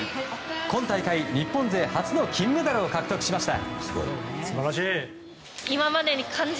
今大会日本勢初の金メダルを獲得しました。